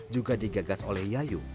juga digagas oleh yayu